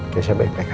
kecia baik baik aja